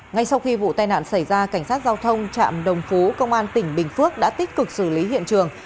ngay sau khi vụ tai nạn xảy ra cảnh sát giao thông trạm đồng phú công an tỉnh bình phước đã tích cực xử lý hiện trường